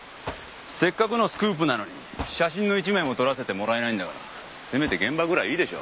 せっかくのスクープなのに写真の１枚も撮らせてもらえないんだからせめて現場ぐらいいいでしょ。